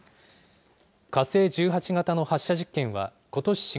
火星１８型の発射実験はことし４